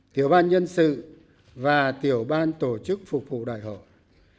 tiểu ban nhân sự và tiểu ban tổ chức phục vụ đại hội